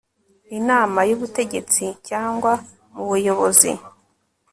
inama y ubutegetsi cyangwa mu buyobozi